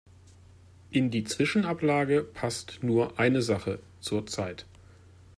In die Zwischenablage passt nur eine Sache zur Zeit.